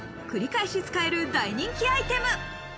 繰り返し使える大人気アイテム。